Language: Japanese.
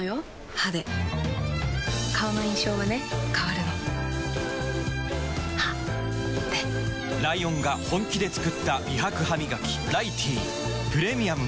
歯で顔の印象はね変わるの歯でライオンが本気で作った美白ハミガキ「ライティー」プレミアムも